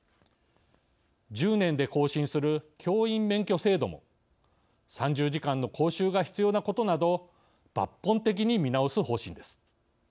１０年で更新する教員免許制度も３０時間の講習が必要なことなど抜本的に見直す方針です。